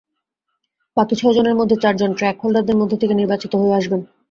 বাকি ছয়জনের মধ্যে চারজন ট্রেক হোল্ডারদের মধ্য থেকে নির্বাচিত হয়ে আসবেন।